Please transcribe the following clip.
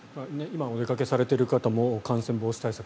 今お出かけされている方も感染防止対策